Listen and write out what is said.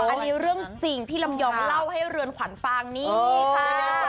อันนี้เรื่องจริงพี่ลำยองเล่าให้เรือนขวัญฟังนี่ค่ะ